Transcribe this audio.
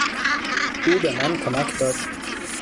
او به من کمک داد.